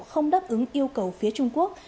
không đáp ứng yêu cầu phía trung quốc